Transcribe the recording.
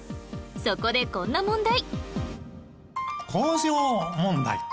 そこでこんな問題